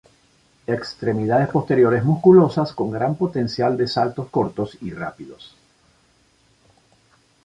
Extremidades posteriores musculosas con gran potencial de saltos cortos y rápidos.